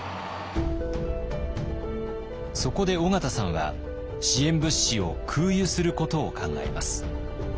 そこで緒方さんは支援物資を空輸することを考えます。